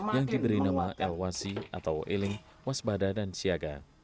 yang diberi nama elwasi atau eling wasbada dan siaga